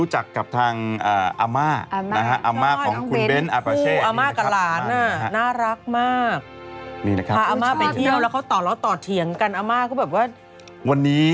หางมานาน